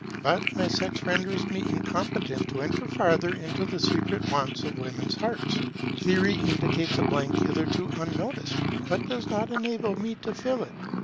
But my sex renders me incompetent to enter farther into the secret wants of Woman's heart. Theory indicates a blank hitherto unnoticed, but does not enable me to fill it.